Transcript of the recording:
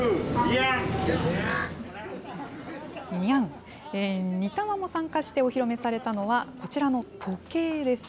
にゃん、ニタマも参加してお披露目されたのは、こちらの時計です。